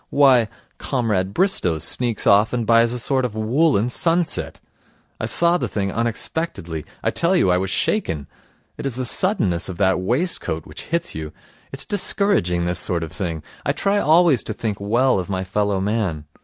Why, Comrade Bristow sneaks off and buys a sort of woollen sunset. I saw the thing unexpectedly. I tell you I was shaken. It is the suddenness of that waistcoat which hits you. It's discouraging, this sort of thing. I try always to think well of my fellow man.